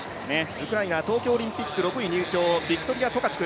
ウクライナ、東京オリンピック６位入賞ビクトリヤ・トカチュク。